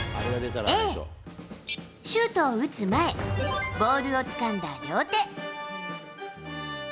Ａ、シュートを打つ前、ボールをつかんだ両手。